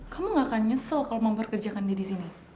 kamu nggak akan nyesel kalau memperkerjakan dia di sini